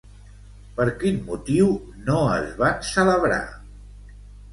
Per quin motiu no es van celebrar?